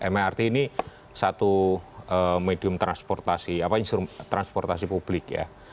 mrt ini satu medium transportasi apa transportasi publik ya